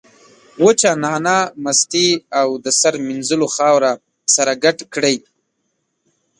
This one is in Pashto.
وچه نعناع، مستې او د سر مینځلو خاوره سره ګډ کړئ.